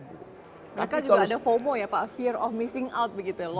mereka juga ada fomo ya pak fear of missing out begitu loh